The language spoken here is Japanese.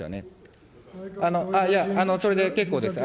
いや、それで結構です。